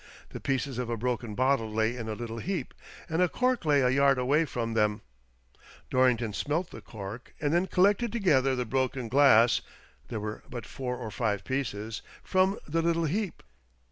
The pieces of a broken bottle lay in a little heap, and a cork lay a yard away from them, Dorrington smelt the cork, and then collected together the broken glass (there were but four or five pieces) from the little heap.